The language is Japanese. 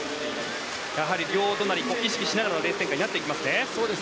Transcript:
やはり両隣を意識しながらのレース展開になりますね。